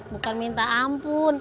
bukan minta ampun